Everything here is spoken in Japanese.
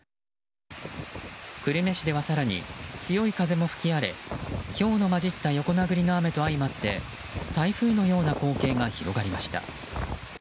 久留米市では更に強い風も吹き荒れひょうの交じった横殴りの雨と相まって台風のような光景が広がりました。